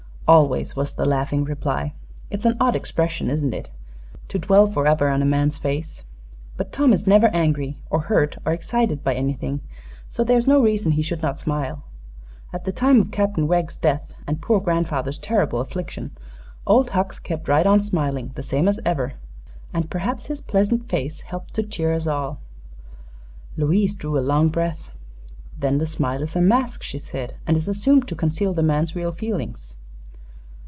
"Always," was the laughing reply. "It's an odd expression isn't it? to dwell forever on a man's face. But Tom is never angry, or hurt or excited by anything, so there is no reason he should not smile. At the time of Captain Wegg's death and poor grandfather's terrible affliction, Old Hucks kept right on smiling, the same as ever; and perhaps his pleasant face helped to cheer us all." Louise drew a long breath. "Then the smile is a mask," she said, "and is assumed to conceal the man's real feelings."